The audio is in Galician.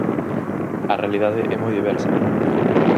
A realidade é moi diversa.